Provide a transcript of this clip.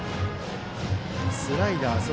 スライダー。